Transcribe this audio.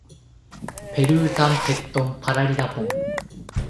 ペルータンペットンパラリラポン